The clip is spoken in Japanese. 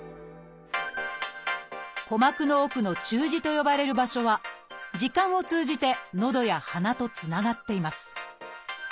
鼓膜の奥の「中耳」と呼ばれる場所は「耳管」を通じてのどや鼻とつながっています。